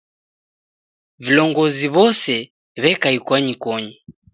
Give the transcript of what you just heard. Vilongozi w'ose w'eka ikwanyikonyi